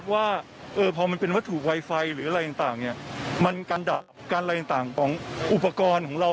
ว่าพอมันเป็นวัตถุไวไฟหรืออะไรต่างเนี่ยมันการดับการอะไรต่างของอุปกรณ์ของเรา